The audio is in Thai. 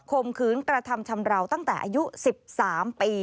มขืนกระทำชำราวตั้งแต่อายุ๑๓ปี